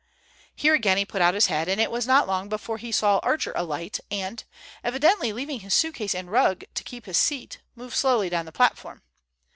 Here again he put out his head, and it was not long before he saw Archer alight and, evidently leaving his suitcase and rug to keep his seat, move slowly down the platform.